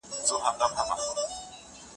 دی په تېښته بريالی شو.